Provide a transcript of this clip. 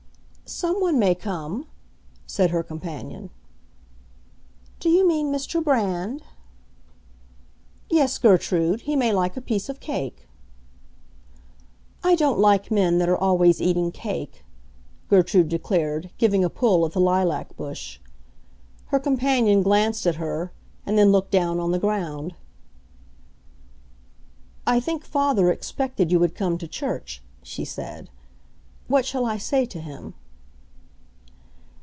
"Someone may come," said her companion. "Do you mean Mr. Brand?" "Yes, Gertrude. He may like a piece of cake." "I don't like men that are always eating cake!" Gertrude declared, giving a pull at the lilac bush. Her companion glanced at her, and then looked down on the ground. "I think father expected you would come to church," she said. "What shall I say to him?"